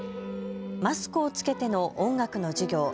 マスクを着けての音楽の授業。